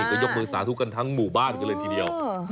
ก็ยกมือสาธุกันทั้งหมู่บ้านกันเลยทีเดียว